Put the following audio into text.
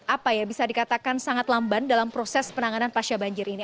apa ya bisa dikatakan sangat lamban dalam proses penanganan pasca banjir ini